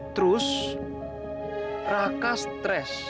terus raka stres